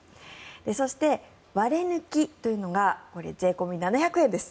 そして、ワレヌィキというのが税込み７００円です。